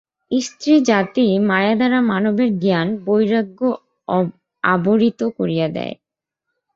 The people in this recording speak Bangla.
স্ত্রী জাতিই মায়া দ্বারা মানবের জ্ঞান-বৈরাগ্য আবরিত করিয়া দেয়।